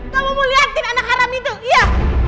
kamu mau lihatin anak haram itu iya